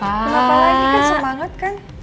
kenapa lagi kan semangat kan